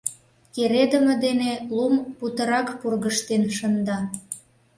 Кередыме дене лум путырак пургыжтен шында.